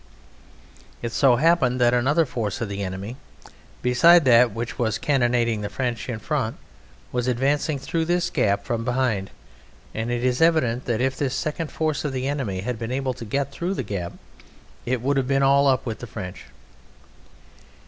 It so happened that another force of the enemy besides that which was cannonading the French in front was advancing through this gap from behind, and it is evident that if this second force of the enemy had been able to get through the gap it would have been all up with the French.